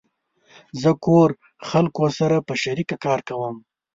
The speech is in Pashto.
زه کور خلقو سره په شریکه کار کوم